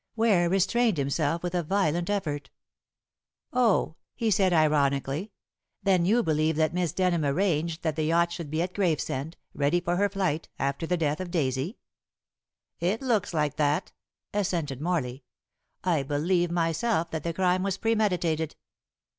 Ware restrained himself with a violent effort. "Oh," he said ironically, "then you believe that Miss Denham arranged that the yacht should be at Gravesend, ready for her flight, after the death of Daisy." "It looks like that," assented Morley. "I believe myself that the crime was premeditated."